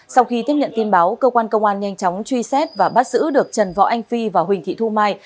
sau khi tiếp nhận tin báo cơ quan công an nhanh chóng truy xét và bắt giữ được trần võ anh phi và huỳnh thị thu mai